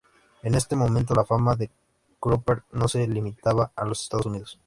En este momento, la fama de Cropper no se limitaba a los Estados Unidos.